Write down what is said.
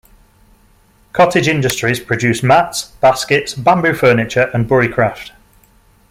Cottage industries produce mats, baskets, bamboo furniture, and buricraft.